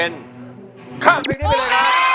โอ๊ย